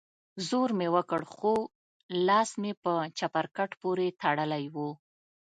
زور مې وکړ خو لاس مې په چپرکټ پورې تړلى و.